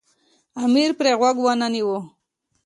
امیر پرې غوږ ونه نیوی.